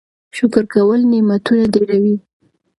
شکر کول نعمتونه ډیروي.